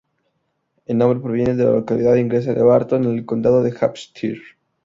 El nombre proviene de la localidad inglesa de Barton, en el condado de Hampshire.